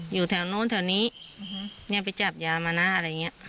อยู่แถวนู้นแถวนี้เนี่ยไปจับยามานะอะไรอย่างนี้